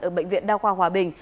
ở bệnh viện đa khoa hòa bình